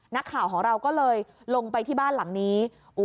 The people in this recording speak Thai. นักข่าวของเราก็เลยลงไปที่บ้านหลังนี้